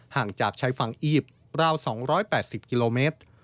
ห่างจากชายฝั่งอียิปต์ราว๒๘๐กิโลเมตร